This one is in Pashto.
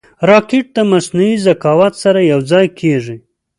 راکټ د مصنوعي ذکاوت سره یوځای کېږي